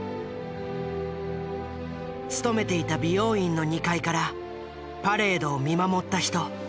勤めていた美容院の２階からパレードを見守った人。